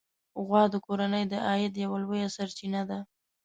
غوا د کورنۍ د عاید یوه لویه سرچینه ده.